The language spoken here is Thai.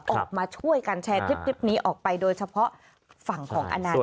ออกมาช่วยกันแชร์คลิปนี้ออกไปโดยเฉพาะฝั่งของอนาจา